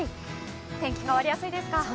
天気変わりやすいですか？